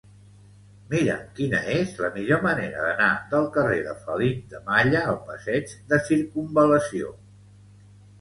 Mira'm quina és la millor manera d'anar del carrer de Felip de Malla al passeig de Circumval·lació.